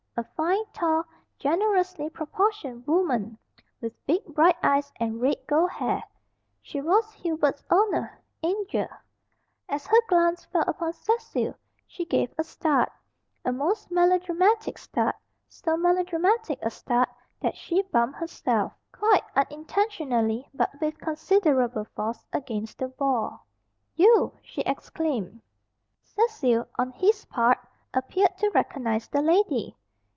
A fine, tall, generously proportioned woman, with big bright eyes, and red gold hair, she was Hubert's "oner" "Angel." As her glance fell upon Cecil she gave a start a most melodramatic start so melodramatic a start that she bumped herself, quite unintentionally, but with considerable force, against the wall. "You!" she exclaimed. Cecil, on his part, appeared to recognise the lady.